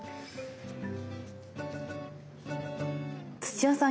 土屋さん